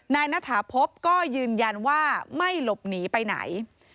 ณฐาพบก็ยืนยันว่าไม่หลบหนีไปไหน